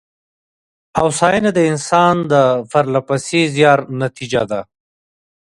هوساینه د انسان د پرله پسې زیار نتېجه ده.